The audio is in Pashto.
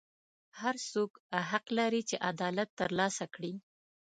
هر څوک حق لري چې عدالت ترلاسه کړي.